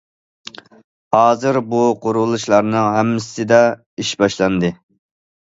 ھازىر بۇ قۇرۇلۇشلارنىڭ ھەممىسىدە ئىش باشلاندى.